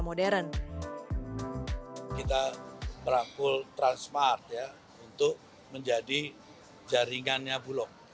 kita merangkul transmart untuk menjadi jaringannya bulok